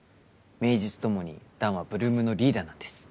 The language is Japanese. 名実ともに弾は８ＬＯＯＭのリーダーなんです